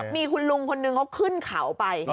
มีคุณลุงคนนึงเขาขึ้นเขาไป